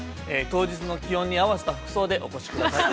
当日の気温に合わせた服装で、お越しください。